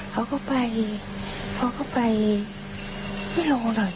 เค้าก็ไปเค้าก็ไปไม่รู้เลย